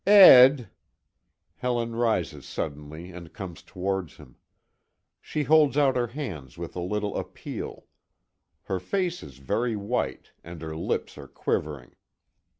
"Ed!" Helen rises suddenly and comes towards him. She holds out her hands with a little appeal. Her face is very white, and her lips are quivering.